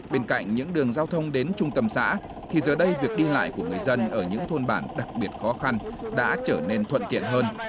bên cạnh những đường giao thông đến trung tâm xã thì giờ đây việc đi lại của người dân ở những thôn bản đặc biệt khó khăn đã trở nên thuận tiện hơn